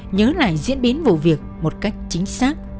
nhớ lại diễn biến vụ việc một cách chính xác